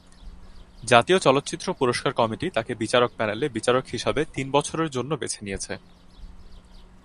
জাতীয় চলচ্চিত্র পুরস্কার কমিটি তাকে বিচারক প্যানেলে বিচারক হিসাবে তিন বছরের জন্য বেছে নিয়েছে।